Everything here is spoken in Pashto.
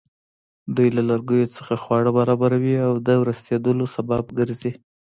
دوی له لرګیو څخه خواړه برابروي او د ورستېدلو سبب ګرځي.